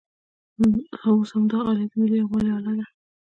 اوس همدا الې د ملي یووالي الې ده.